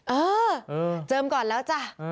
เออเจิมก่อนแล้วจ้ะ